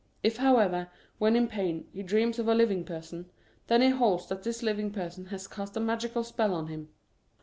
If, however, when in pain, he dreams of a living person, then he holds that this living person has cast a magical spell over him.